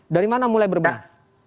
dari mana mulai berbenah